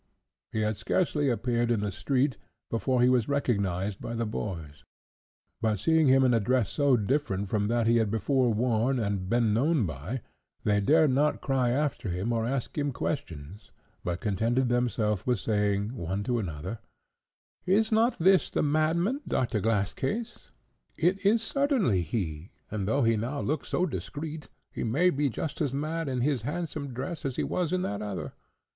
He had scarcely appeared in the street, before he was recognised by the boys; but seeing him in a dress so different from that he had before worn and been known by, they dared not cry after him or ask him questions, but contented themselves with saying, one to another, "Is not this the madman, Doctor Glasscase? It is certainly he; and though he now looks so discreet, he may be just as mad in this handsome dress as he was in that other.